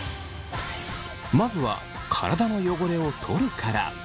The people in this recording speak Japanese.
まずは「体の汚れをとる」から。